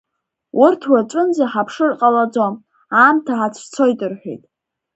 Урҭ уаҵәынӡа ҳаԥшыр ҟалаӡом, аамҭа ҳацәцоит рҳәеит.